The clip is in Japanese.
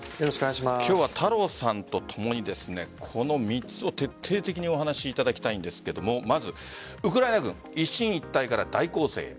今日は太郎さんとともにこの３つを徹底的にお話しいただきたいんですがウクライナ軍一進一退から大攻勢へ？